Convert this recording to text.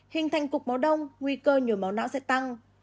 hình thành cục máu đông nguy cơ nhồi máu não sẽ tăng